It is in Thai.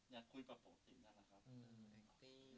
อยากคุยแบบปกติ